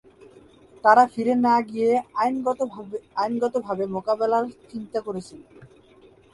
তারা ফিরে না গিয়ে আইনগতভাবে মোকাবেলার চিন্তা করছেন।